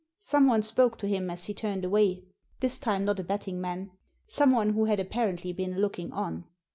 Someone spoke to him as he turned away, this time not a betting man; someone who had apparently been looking on.